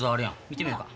見てみよか。